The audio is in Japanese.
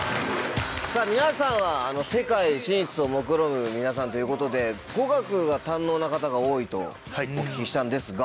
皆さんは世界進出をもくろむ皆さんということで語学が堪能な方が多いとお聞きしたんですが。